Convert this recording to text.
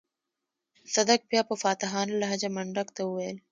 صدک بيا په فاتحانه لهجه منډک ته وويل.